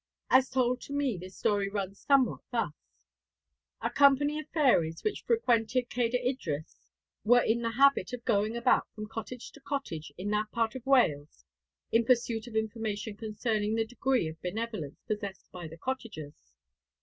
As told to me this story runs somewhat thus: A company of fairies which frequented Cader Idris were in the habit of going about from cottage to cottage in that part of Wales, in pursuit of information concerning the degree of benevolence possessed by the cottagers.